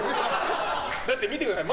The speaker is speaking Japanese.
だって、見てください。